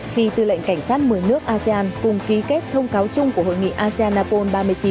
khi tư lệnh cảnh sát một mươi nước asean cùng ký kết thông cáo chung của hội nghị asean apol ba mươi chín